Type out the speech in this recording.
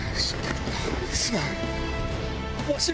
すまん！